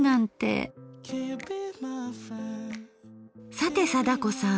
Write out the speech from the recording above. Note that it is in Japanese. さて貞子さん。